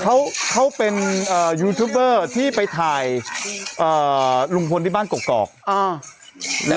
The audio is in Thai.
เขาเขาเป็นอ่ายูทูบเบอร์ที่ไปทายอ่าลุงฝนที่บ้านเกาะเกาะอ่า